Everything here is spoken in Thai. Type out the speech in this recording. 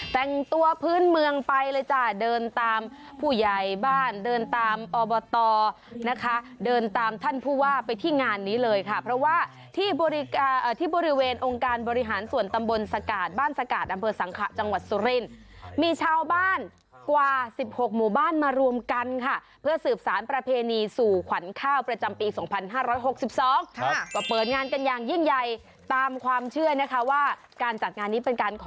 แต่งตัวพื้นเมืองไปเลยจ้ะเดินตามผู้ใหญ่บ้านเดินตามอบตนะคะเดินตามท่านผู้ว่าไปที่งานนี้เลยค่ะเพราะว่าที่บริการอ่ะที่บริเวณองค์การบริหารสวนตำบลสกาศบ้านสกาศอำเภอสังขะจังหวัดสุรินมีชาวบ้านกว่าสิบหกหมู่บ้านมารวมกันค่ะเพื่อสืบสารประเพณีสู่ขวัญข้าวประจำปีสองพันห้าร้อยหกสิบสอง